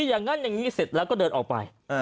อย่างนั้นอย่างนี้เสร็จแล้วก็เดินออกไป